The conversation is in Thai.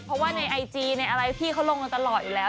เพราะว่าในไอจีในอะไรพี่เขาลงกันตลอดอยู่แล้ว